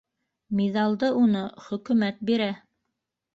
Миҙалды уны хөкөмәт бирә!